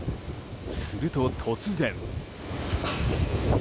すると突然。